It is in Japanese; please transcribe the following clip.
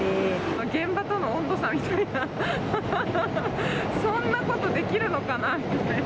現場との温度差みたいな、そんなことできるのかなみたいな。